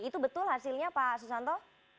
itu betul hasilnya pak susanto